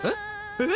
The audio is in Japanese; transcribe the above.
えっ！？